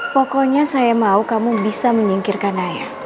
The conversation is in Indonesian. pokoknya saya mau kamu bisa menyingkirkan ayah